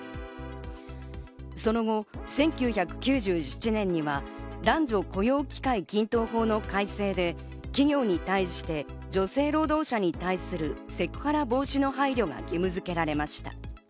その後、１９９７年には男女雇用機会均等法の改正で企業に対して女性労働者に対するセクハラ防止の配慮が義務づけられました。